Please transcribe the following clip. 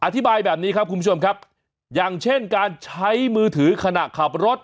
อธิบายแบบนี้ครับคุณผู้ชมครับอย่างเช่นการใช้มือถือขณะขับรถ